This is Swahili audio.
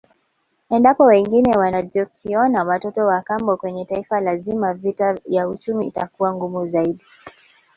Endapo wengine wakijiona watoto wakambo kwenye Taifa lazima vita ya uchumi itakuwa ngumu zaidi